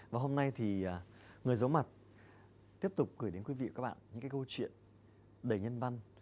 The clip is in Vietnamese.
và hôm nay thì người giấu mặt tiếp tục gửi đến quý vị và các bạn những cái câu chuyện đầy nhân văn